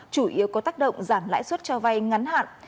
chủ yếu có tác động giảm lãi suất cho vay ngắn hạn